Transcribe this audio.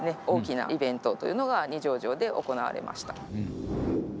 大きなイベントというのが二条城で行われました。